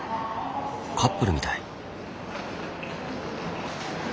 カップルみたい。